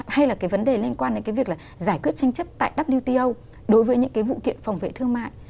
hay là cái vấn đề liên quan đến cái việc là giải quyết tranh chấp tại wto đối với những cái vụ kiện phòng vệ thương mại